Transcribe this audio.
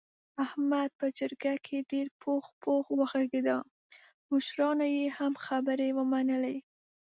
احمد په جرګه کې ډېر پوخ پوخ و غږېدا مشرانو یې هم خبرې ومنلې.